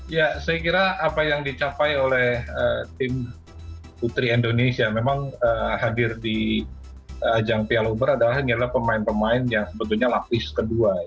ya saya kira apa yang dicapai oleh tim putri indonesia memang hadir di ajang piala uber adalah pemain pemain yang sebetulnya lapis kedua